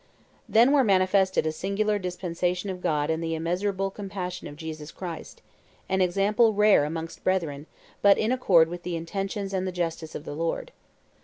"Then were manifested a singular dispensation of God and the immeasurable compassion of Jesus Christ; an example rare amongst brethren, but in accord with the intentions and the justice of the Lord.